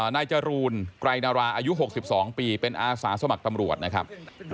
นายจรูนไกรนาราอายุ๖๒ปีเป็นอาสาสมัครตำรวจนะครับ